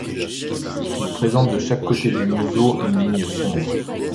Il présente de chaque côté du museau une ligne sombre.